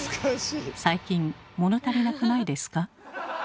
最近物足りなくないですか？